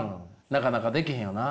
なかなかできへんよな。